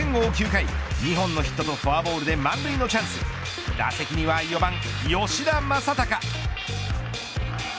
９回２本のヒットとフォアボールで満塁のチャンス打席には４番、吉田正尚。